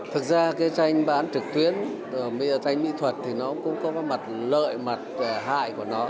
thực ra tranh bán trực tuyến tranh mỹ thuật cũng có mặt lợi mặt hại của nó